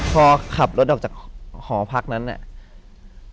พอขับรถออกจากหอพักนั้นเนี่ย